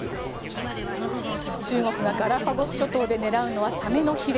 中国がガラパゴス諸島で狙うのはサメのひれ